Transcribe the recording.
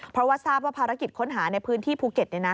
เพราะว่าทราบว่าภารกิจค้นหาในพื้นที่ภูเก็ต